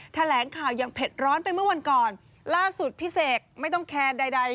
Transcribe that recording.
แถลงข่าวอย่างเผ็ดร้อนไปเมื่อวันก่อนล่าสุดพี่เสกไม่ต้องแคร์ใด